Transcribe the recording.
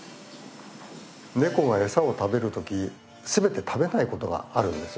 ネコが餌を食べる時全て食べないことがあるんですよね。